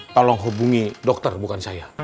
tolong hubungi dokter bukan saya